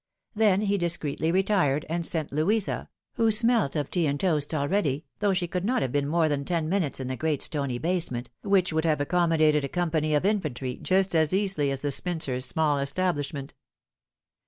Then he discreetly retired, and sent Louisa, who smelt of tea and toast already, though she could not have been more than ten minutes in the great stony basement, which would have accommodated a company of infantry just as easily as the spinster's small establishment.